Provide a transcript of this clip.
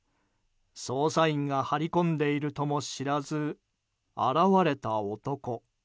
捜査員が張り込んでいるとも知らず、現れた男。